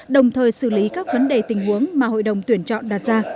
đồng thời xử lý các vấn đề tình huống mà hội đồng tuyển chọn đặt ra